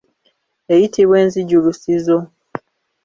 Eyitibwa enzijulusizo.